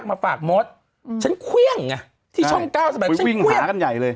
มาฝากมศอืมฉันเควี้ยงอ่ะใช่ที่ช่องเก้าสมัยคุยวิ่งหากันใหญ่เลย